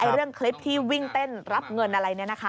เรื่องคลิปที่วิ่งเต้นรับเงินอะไร